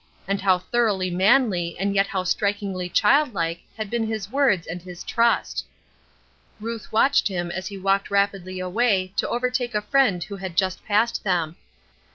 And how thoroughly manly and yet how strikingly childlike had been his words and his trust! Ruth watched him as he walked rapidly away to overtake a friend who had just passed them.